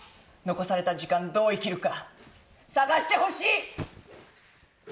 残された時間どう生きるか探してほしい！